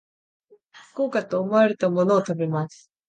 豪華と思われたものを食べます